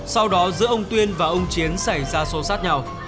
sau đó giữa ông tuyên và ông chiến xảy ra xô xát nhau